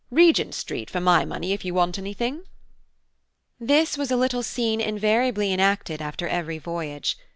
Regent Street for my money if you want anything." This was a little scene invariably enacted after every voyage.